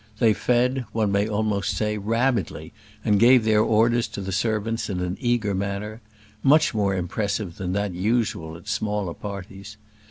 They fed, one may almost say, rabidly, and gave their orders to the servants in an eager manner; much more impressive than that usual at smaller parties.